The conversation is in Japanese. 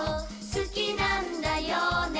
「好きなんだよね？」